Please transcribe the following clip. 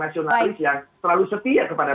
nasionalis yang selalu setia kepada